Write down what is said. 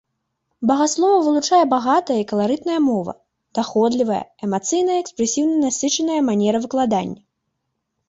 Багаслова вылучае багатая і каларытная мова, даходлівая, эмацыянальна і экспрэсіўна насычаная манера выкладання.